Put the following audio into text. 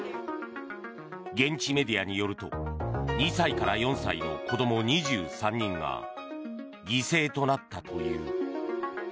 現地メディアによると２歳から４歳の子ども２３人が犠牲となったという。